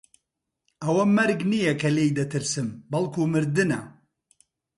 ئەوە مەرگ نییە کە لێی دەترسم، بەڵکوو مردنە.